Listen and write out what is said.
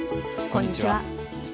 こんにちは。